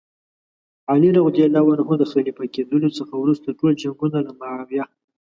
علي رض د خلیفه کېدلو څخه وروسته ټول جنګونه له معاویه.